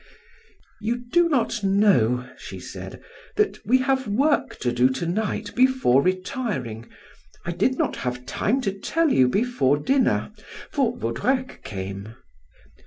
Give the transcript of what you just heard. "You do not know," she said, "that we have work to do to night before retiring. I did not have time to tell you before dinner, for Vaudrec came.